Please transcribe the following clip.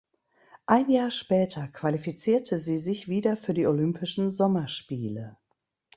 Ein Jahr später qualifizierte sie sich wieder für die Olympischen Sommerspiele.